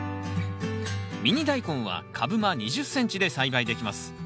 ミニダイコンは株間２０ｃｍで栽培できます。